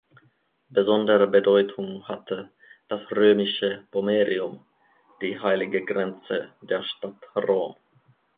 Besondere Bedeutung hatte das römische "pomerium", die heilige Grenze der Stadt Rom.